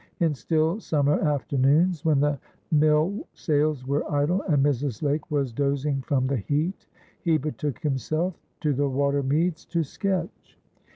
In still summer afternoons, when the mill sails were idle, and Mrs. Lake was dozing from the heat, he betook himself to the water meads to sketch.